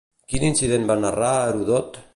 Quin incident va narrar Herodot?